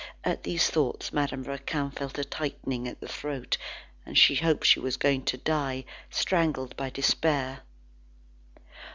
At these thoughts Madame Raquin felt a tightening at the throat, and she hoped she was going to die, strangled by despair.